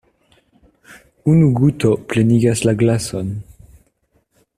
Unu guto plenigas la glason.